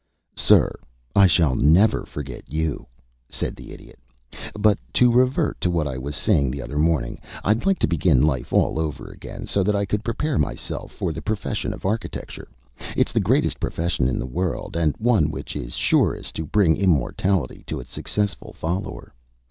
"Sir, I shall never forget you," said the Idiot. "But to revert to what I was saying the other morning, I'd like to begin life all over again, so that I could prepare myself for the profession of architecture. It's the greatest profession in the world, and one which is surest to bring immortality to its successful follower.